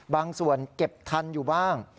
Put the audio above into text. บางส่วนเก็บทันอยู่บ้าง